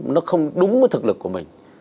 nó không đúng với thực lực của mình